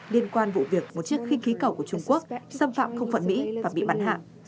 liên quan vụ việc một chiếc khinh khí cầu của trung quốc xâm phạm không phận mỹ và bị bắn hạ